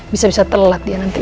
bisa bisa telat dia nanti